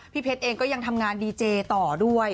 เพชรเองก็ยังทำงานดีเจต่อด้วย